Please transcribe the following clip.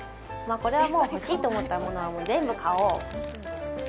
これはもう、欲しいと思ったものは全部買おう。